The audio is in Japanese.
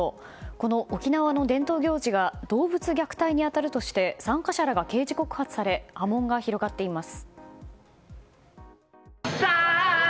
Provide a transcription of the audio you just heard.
この沖縄の伝統行事が動物虐待に当たるとして参加者らが刑事告発され波紋が広がっています。